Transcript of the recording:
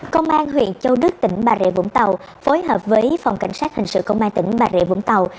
công an huyện châu đức tỉnh bà rệ vũng tàu phối hợp với phòng cảnh sát hành sự công an tỉnh bà rệ vũng tàu